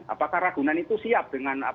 apakah ragunan itu siap dengan